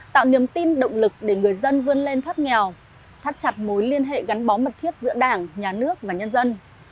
tạo niềm tin động lực để người dân vươn lên thoát nghèo thắt chặt mối liên hệ gắn bó mật thiết giữa đảng nhà nước và nhân dân